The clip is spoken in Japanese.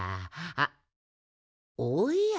あっおや？